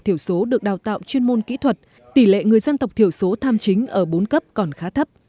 thiểu số được đào tạo chuyên môn kỹ thuật tỷ lệ người dân tộc thiểu số tham chính ở bốn cấp còn khá thấp